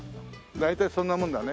大体そんなもんだね。